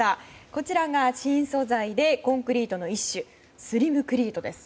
こちらが新素材でコンクリートの一種スリムクリートです。